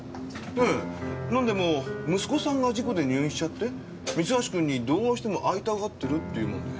ええなんでも息子さんが事故で入院しちゃって三橋くんにどうしても会いたがってるって言うもんで。